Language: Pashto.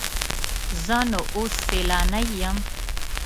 زه نو اوس سیلانی یم.